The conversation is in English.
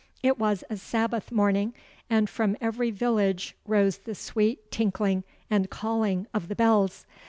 It was a Sabbath morning, and from every village rose the sweet tinkling and calling of the bells.